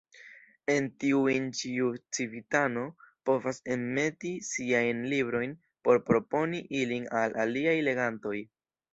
En tiujn ĉiu civitano povas enmeti siajn librojn por proponi ilin al aliaj legantoj.